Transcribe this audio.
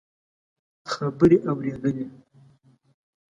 خبرې اورېدلې.